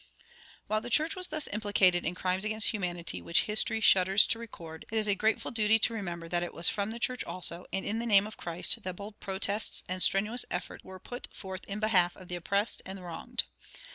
"[8:1] While the church was thus implicated in crimes against humanity which history shudders to record, it is a grateful duty to remember that it was from the church also and in the name of Christ that bold protests and strenuous efforts were put forth in behalf of the oppressed and wronged.